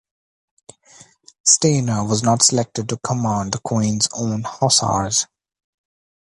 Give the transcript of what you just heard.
Stainer was not selected to command the Queen's Own Hussars.